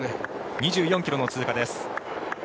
２４ｋｍの通過です。